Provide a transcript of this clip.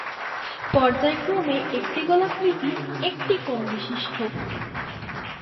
পর্যায়ক্রমে একটি গোলাকৃতি একটি কোণ-বিশিষ্ট।